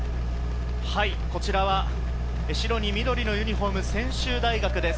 こちらは白に緑のユニホーム専修大学です。